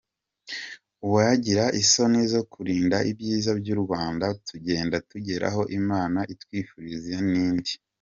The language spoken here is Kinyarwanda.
Uwagira isoni zo kurinda ibyiza by’ u Rwanda tugenda tugeraho Imana itwifuriza ni nde ?